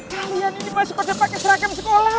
kalian ini masih kode pake seragam sekolah